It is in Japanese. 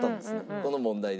この問題で。